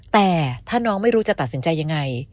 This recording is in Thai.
แต่ถ้าน้องไม่รู้จะตัดสินใจยังไง